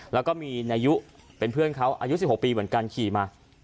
แล้วก็มีนายุเป็นเพื่อนเขาอายุ๑๖ปีเหมือนกันขี่มา